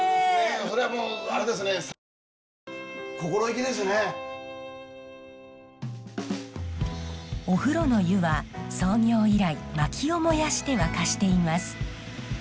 それはもうあれですねお風呂の湯は創業以来薪を燃やして沸かしています。